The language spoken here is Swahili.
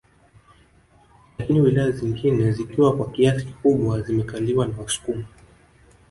Lakini wilaya zingine zikiwa kwa kiasi kikubwa zimekaliwa na wasukuma